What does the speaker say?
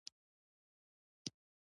پلاستيک زهرجن مواد لري.